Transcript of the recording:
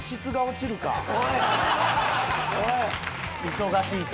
忙しいと。